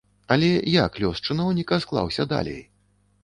Але як лёс чыноўніка склаўся далей?